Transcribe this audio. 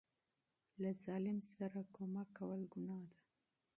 له ظالم سره مرسته کول ګناه ده.